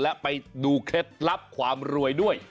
และไปดูเคล็ดลับความรวยด้วย